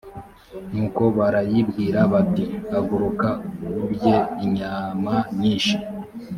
nuko barayibwira bati haguruka urye inyama nyinshi